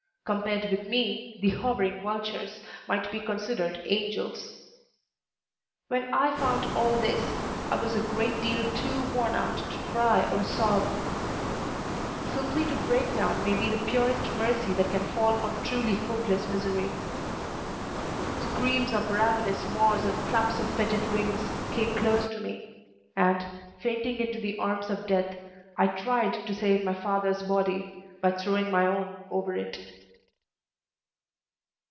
Compared with me, the hovering vultures might be considered angels. When I found all this, I was a great deal too worn out to cry or sob. Simply to break down may be the purest mercy that can fall on truly hopeless misery. Screams of ravenous maws and flaps of fetid wings came close to me, and, fainting into the arms of death, I tried to save my father's body by throwing my own over it.